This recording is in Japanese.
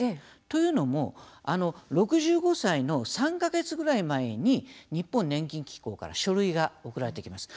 というのも６５歳の３か月ぐらい前に日本年金機構から書類が送られてきます。